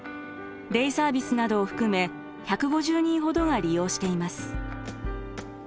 デイサービスなどを含め１５０人ほどが利用しています。